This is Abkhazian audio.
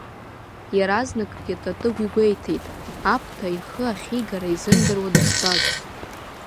Иаразнакгьы Татыгә игәеиҭеит Аԥҭа ихы ахьигара изымдыруа дыштәаз.